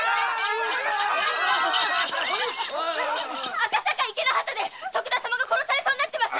赤坂池の端で徳田様が殺されそうになってます！